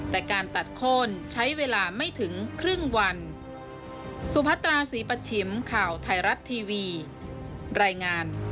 แต่การตัดโค้นใช้เวลาไม่ถึงครึ่งวัน